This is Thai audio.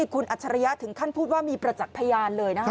คุณอัจฉริยะถึงขั้นพูดว่ามีประจักษ์พยานเลยนะคะ